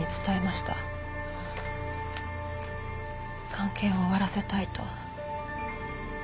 関係を終わらせたいと。